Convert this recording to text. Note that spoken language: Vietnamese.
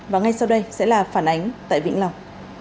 và ngay sau đây sẽ là phản ánh tại vĩnh long